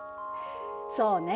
そうね。